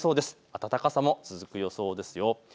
暖かさも続く予想です。